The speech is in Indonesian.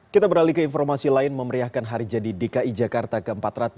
kita beralih ke informasi lain memeriahkan hari jadi dki jakarta ke empat ratus dua puluh